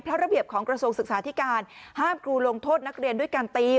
เพราะระเบียบของกระทรวงศึกษาธิการห้ามครูลงโทษนักเรียนด้วยการตี